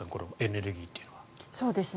エネルギーというのは。